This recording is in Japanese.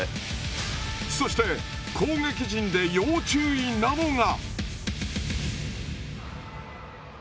そして攻撃陣で要注意なのが。